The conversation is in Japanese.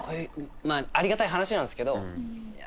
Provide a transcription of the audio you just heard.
ありがたい話なんですけどいや